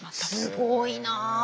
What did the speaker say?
すごいな。